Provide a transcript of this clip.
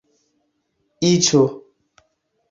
iĉo